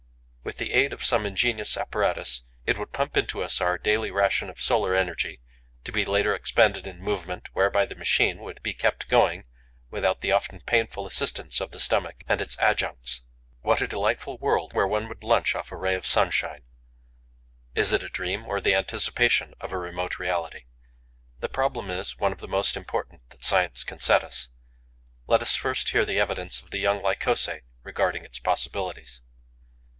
With the aid of some ingenious apparatus, it would pump into us our daily ration of solar energy, to be later expended in movement, whereby the machine would be kept going without the often painful assistance of the stomach and its adjuncts. What a delightful world, where one would lunch off a ray of sunshine! Is it a dream, or the anticipation of a remote reality? The problem is one of the most important that science can set us. Let us first hear the evidence of the young Lycosae regarding its possibilities.